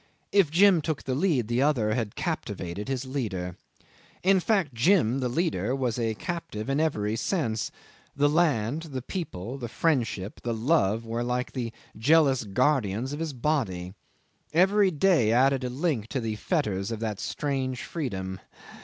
If Jim took the lead, the other had captivated his leader. In fact, Jim the leader was a captive in every sense. The land, the people, the friendship, the love, were like the jealous guardians of his body. Every day added a link to the fetters of that strange freedom.